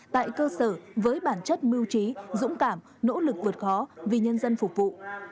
tại cơ sở với bản chất mưu trí dũng cảm nỗ lực vượt khó vì nhân dân phục vụ